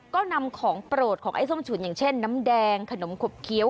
ก็นำของโปรดของไอ้ส้มฉุนอย่างเช่นน้ำแดงขนมขบเคี้ยว